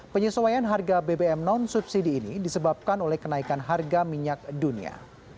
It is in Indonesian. penyesuaian harga bbm non subsidi ini disebabkan oleh kenaikan harga minyak dunia